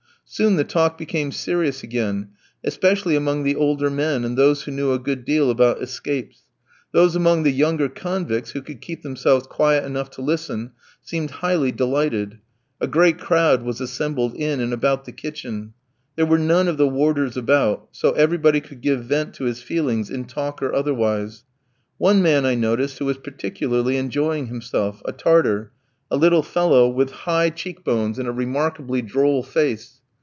Soon the talk became serious again, especially among the older men and those who knew a good deal about escapes. Those among the younger convicts who could keep themselves quiet enough to listen, seemed highly delighted. A great crowd was assembled in and about the kitchen. There were none of the warders about; so everybody could give vent to his feelings in talk or otherwise. One man I noticed who was particularly enjoying himself, a Tartar, a little fellow with high cheek bones, and a remarkably droll face.